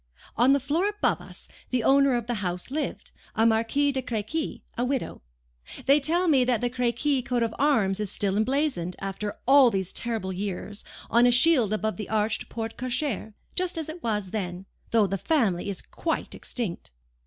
On the floor above us the owner of the house lived, a Marquise de Crequy, a widow. They tell me that the Crequy coat of arms is still emblazoned, after all these terrible years, on a shield above the arched porte cochere, just as it was then, though the family is quite extinct.